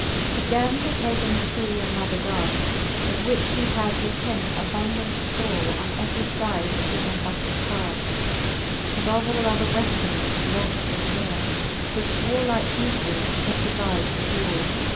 XXXIV. Againe the Pagan threw another dart, Of which he had with him abundant ftore, On every fide of his embattled cart, And of all other weapons lelTe or more, Which warlike ufes had deviz'd of yor3.